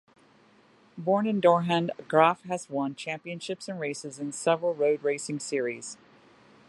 Born in Dornhan, Graf has won championships and races in several road racing series.